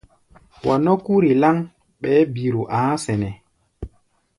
Wa nɔ́ kúri láŋ, ɓɛɛ́ biro a̧á̧ sɛnɛ́.